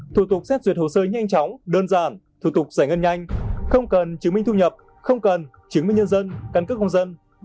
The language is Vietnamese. thủ tục xét duyệt hồ sơ nhanh chóng đơn giản thủ tục giải ngân nhanh không cần chứng minh thu nhập không cần chứng minh nhân dân căn cước công dân